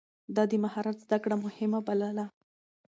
ده د مهارت زده کړه مهمه بلله.